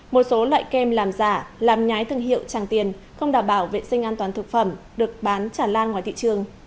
một số loại kem làm giả làm nhái thương hiệu tràng tiền không đảm bảo vệ sinh an toàn thực phẩm được bán tràn lan ngoài thị trường